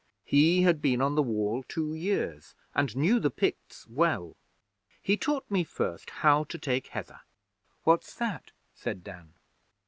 'He had been on the Wall two years, and knew the Picts well. He taught me first how to take Heather.' 'What's that?' said Dan.